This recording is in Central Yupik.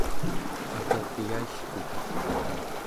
akagyailkutaq